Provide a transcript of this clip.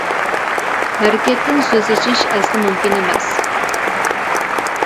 ھەرىكەتتىن سۆز ئېچىش ئەسلا مۇمكىن ئەمەس.